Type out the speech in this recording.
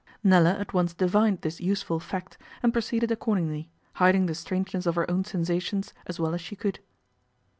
Nella at once divined this useful fact, and proceeded accordingly, hiding the strangeness of her own sensations as well as she could.